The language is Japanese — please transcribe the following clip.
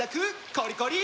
コリコリ！